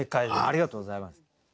ありがとうございます。